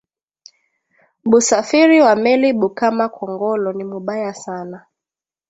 Usafiri wa meli bukama kongolo ni mubaya sana